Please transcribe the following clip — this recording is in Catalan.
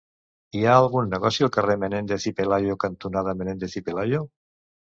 Hi ha algun negoci al carrer Menéndez y Pelayo cantonada Menéndez y Pelayo?